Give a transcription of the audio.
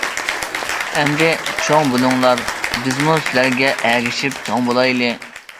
ئەمدى چوڭ بولۇڭلار، بىزمۇ سىلەرگە ئەگىشىپ چوڭ بولايلى.